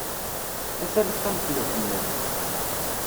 A taleqqamt n uḥemmam.